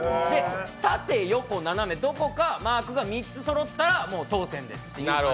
タテ・ヨコ・ナナメどこかマークが３つそろったら当せんです。